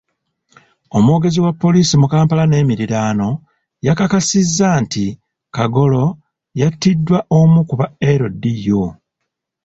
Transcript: Omwogezi wa poliisi mu Kampala n'emiriraano, yakakasizza nti Kagolo yattiddwa omu ku ba LDU.